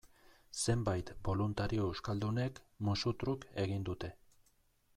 Zenbait boluntario euskaldunek, musu truk, egin dute.